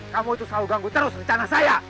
kamu itu selalu ganggu terus rencana saya